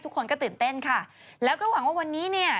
ทุกคนก็ตื่นเต้นค่ะแล้วก็หวังว่าวันนี้เนี่ย